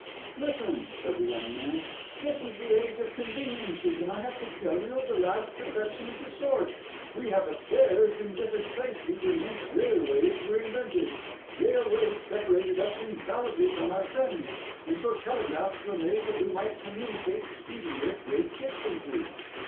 "Listen," said the young man; "this is the age of conveniences, and I have to tell you of the last perfection of the sort. We have affairs in different places; and hence railways were invented. Railways separated us infallibly from our friends; and so telegraphs were made that we might communicate speedier at great distances.